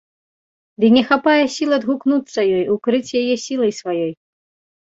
Ды не хапае сіл адгукнуцца ёй, укрыць яе сілай сваёй.